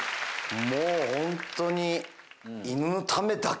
もうホントに。